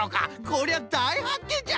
こりゃだいはっけんじゃ！